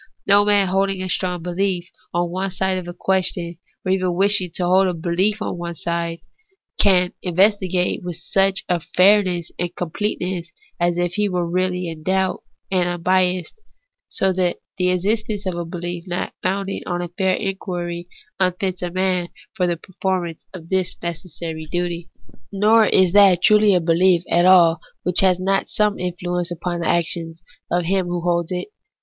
No man holding a strong belief on one side of a question, or even wishing to hold a belief on one side, can investigate it with such fairness and completeness as if he were really in doubt and unbiassed ; so that the' existence of a belief not founded on fair inquiry unfits a man for the performance of this necessary duty. Nor is that truly a belief at all which has not some influence upon the actions of him who holds it.